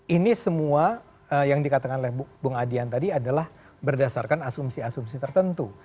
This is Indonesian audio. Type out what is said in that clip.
ini semua yang dikatakan oleh bung adian tadi adalah berdasarkan asumsi asumsi tertentu